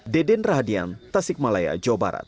deden rahadian tasik malaya jawa barat